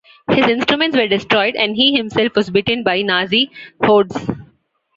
His instruments were destroyed and he himself was beaten by Nazi hordes.